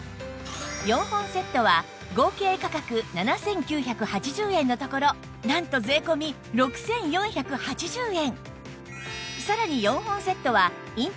４本セットは合計価格７９８０円のところなんと税込６４８０円